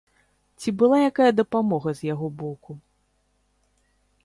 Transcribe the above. Ці была якая дапамога з яго боку?